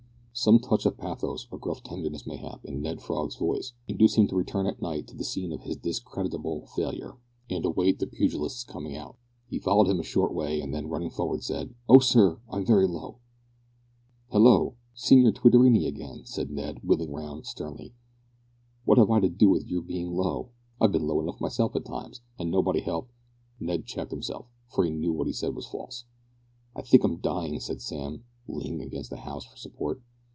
Some touch of pathos, or gruff tenderness mayhap, in Ned Frog's voice, induced him to return at night to the scene of his discreditable failure, and await the pugilist's coming out. He followed him a short way, and then running forward, said "Oh, sir! I'm very low!" "Hallo! Signor Twittorini again!" said Ned, wheeling round, sternly. "What have I to do with your being low? I've been low enough myself at times, an' nobody helped " Ned checked himself, for he knew that what he said was false. "I think I'm dying," said Sam, leaning against a house for support.